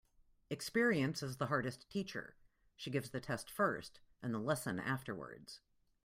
Experience is the hardest teacher. She gives the test first and the lesson afterwards.